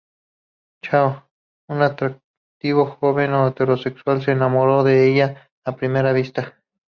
Cho, un atractivo joven heterosexual, se enamora de ella a primera vista.